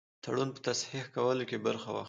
تړون په تصحیح کولو کې برخه واخلي.